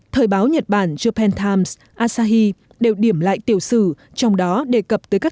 thời báo nhật bản japan times asahi đều điểm lại tiểu sử trong đó đề cập tới các